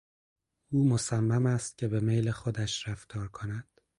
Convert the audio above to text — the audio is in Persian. او مصمم است که به میل خودش رفتار کند.